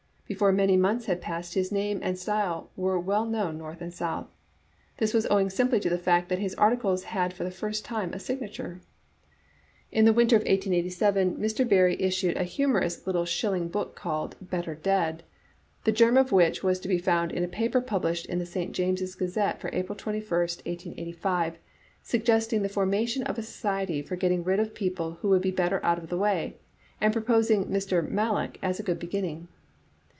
Before many months had passed his name and style were well known north and south. This was ow ing simply to the fact that his articles had for the first time a signature. In the winter of 1887 Mr. Barrie issued a humorous little shilling book called ''Better Dead," the germ of which was to be found in a paper published in the St James's Gazette for April 21, 1885, suggesting the form ation of a society for getting rid of people who would be better out of the way, and proposing Mr. Mallock as a good beginning.